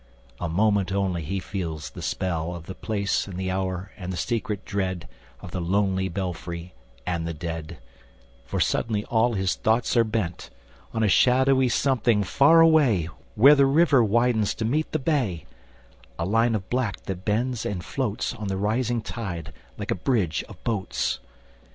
ŌĆØ A moment only he feels the spell Of the place and the hour, and the secret dread Of the lonely belfry and the dead; For suddenly all his thoughts are bent On a shadowy something far away, Where the river widens to meet the bay, ŌĆö A line of black that bends and floats On the rising tide, like a bridge of boats.